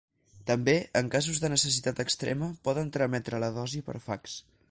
També, en casos de necessitat extrema, poden trametre la dosi per fax.